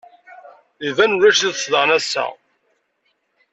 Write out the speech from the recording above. Iban ulac iḍes daɣen ass-a.